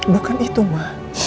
bukan itu ma